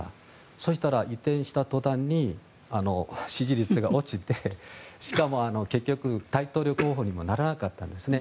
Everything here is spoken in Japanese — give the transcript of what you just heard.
そしたら移転した途端に支持率が落ちてしかも、結局、大統領候補にもならなかったんですね。